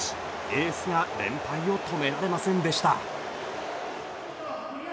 エースが連敗を止められませんでした。